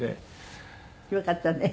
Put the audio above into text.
よかったね。